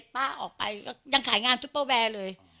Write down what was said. ป้าออกไปก็ยังขายงานซุปเปอร์แวร์เลย